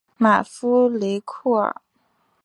马夫雷库尔。